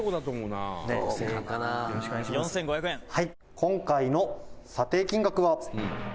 「今回の査定金額は」